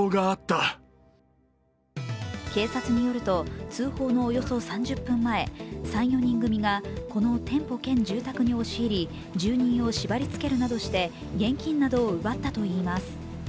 警察によると通報のおよそ３０分ほど前、この店舗兼住宅に押し入り住人を縛りつけるなどして現金などを奪ったといいます。